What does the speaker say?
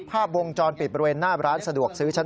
ภาพวงจรปิดบริเวณหน้าร้านสะดวกซื้อชั้น๓